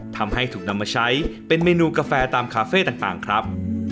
ทำให้ถูกนำมาใช้เป็นเมนูกาแฟตามคาเฟ่ต่างครับ